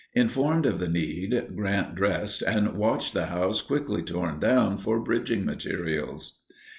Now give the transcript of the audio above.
Informed of the need, Grant dressed and watched the house quickly torn down for bridging materials.